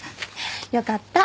よかった。